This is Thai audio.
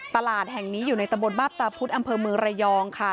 ตลาดแห่งนี้อยู่ในตะบนมาบตาพุธอำเภอเมืองระยองค่ะ